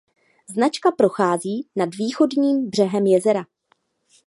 Značka prochází nad východním břehem jezera.